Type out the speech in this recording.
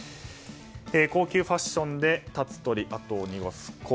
高級ファッションで立つ鳥跡を濁す「コ」。